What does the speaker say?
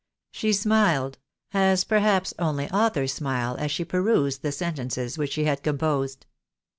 She smiled — as perhaps only authors smile, as she perused the sentences which she had composed.